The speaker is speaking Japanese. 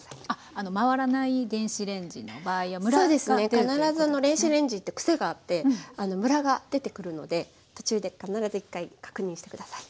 必ず電子レンジって癖があってムラが出てくるので途中で必ず１回確認して下さい。